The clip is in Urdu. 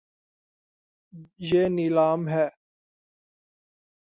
یے نیلا م ہے